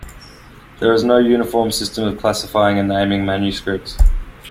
There is no uniform system of classifying and naming manuscripts.